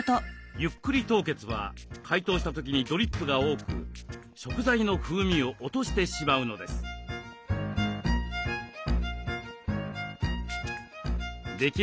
「ゆっくり凍結」は解凍した時にドリップが多く食材の風味を落としてしまうのです。